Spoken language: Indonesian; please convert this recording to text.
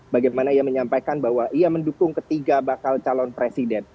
bagaimana ia menyampaikan bahwa ia mendukung ketiga bakal calon presiden